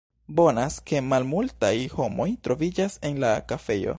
Bonas ke malmultaj homoj troviĝas en la kafejo.